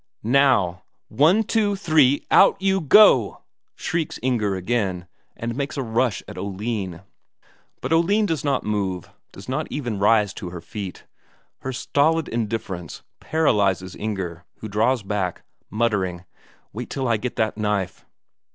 "Now ...! One two three out you go!" shrieks Inger again, and makes a rush at Oline. But Oline does not move, does not even rise to her feet. Her stolid indifference paralyses Inger, who draws back, muttering: "Wait till I get that knife."